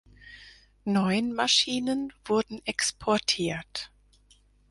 Neun Maschinen wurden exportiert.